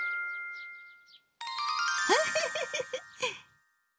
フフフフ。